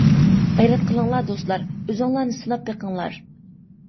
غەيرەت قىلىڭلار دوستلار، ئۆزۈڭلارنى سىناپ بېقىڭلار.